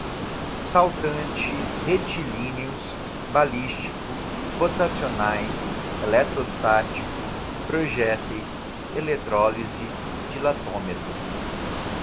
saltante, retilíneos, balístico, rotacionais, eletrostático, projéteis, eletrólise, dilatômetro